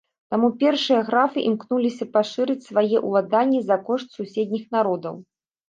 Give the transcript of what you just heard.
Таму першыя графы імкнуліся пашырыць свае ўладанні за кошт суседніх народаў.